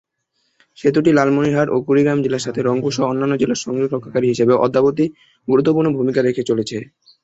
সেতুটি লালমনিরহাট ও কুড়িগ্রাম জেলার সাথে রংপুর সহ অন্যান্য জেলার সংযোগ রক্ষাকারী হিসেবে অদ্যাবধি গুরত্বপূর্ণ ভূমিকা রেখে চলেছে।